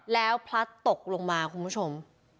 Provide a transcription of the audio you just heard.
แล้วพลัดตกลงมาคุณผู้ชม